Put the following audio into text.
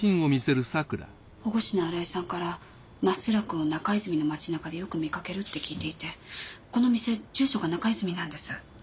保護司の新井さんから松寺君を中泉の町なかでよく見かけるって聞いていてこの店住所が中泉なんです。